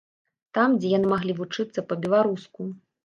Там, дзе яны маглі вучыцца па-беларуску.